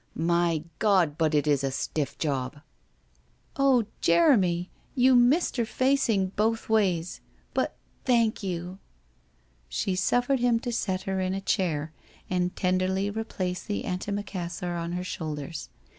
My God, but it is a stiff job !'' Oh, Jeremy, you Mr. Facing — both — ways ! But thank you !' She suffered him to set her in a chair, and tenderly replace the antimacassar on her shoulders.